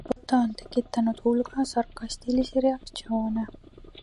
Foto on tekitanud hulga sarkastilisi reaktsioone.